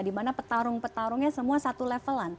dimana petarung petarungnya semua satu levelan